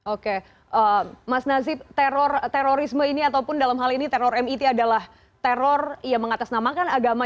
oke mas nazib terorisme ini ataupun dalam hal ini teror mit adalah teror yang mengatasnamakan agama